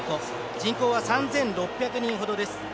人口は３６００人ほどです。